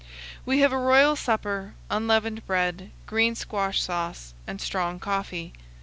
We have a royal supper unleavened bread, green squash sauce, and strong coffee.